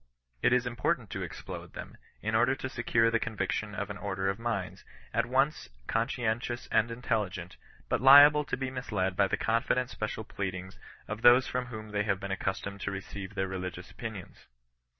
It is important to explode them, in order to secure the conviction of an order of minds, at once conscientious and intelligent, but liable to be misled by the confident special pleadings of those from whom they have been accustomed to receive their religious opinions.